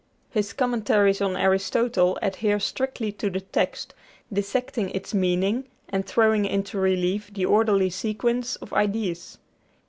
His Commentaries on Aristotle adhere strictly to the text, dissecting its meaning and throwing into relief the orderly sequence of ideas.